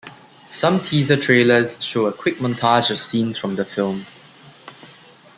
Some teaser trailers show a quick montage of scenes from the film.